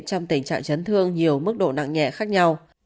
trong tình trạng chấn thương nhiều mức độ nặng nhẹ khác nhau